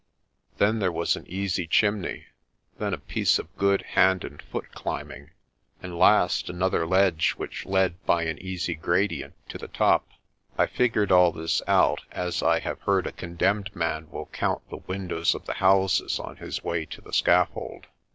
Then there was an easy chimney; then a piece of good hand and foot climbing ; and last, another ledge which led by an easy gradient to the top. I figured all this out as I have heard a condemned man will count the windows of the houses on his way to the scaffold.